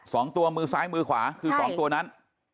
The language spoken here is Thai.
สองตัวมือซ้ายมือขวาคือสองตัวนั้น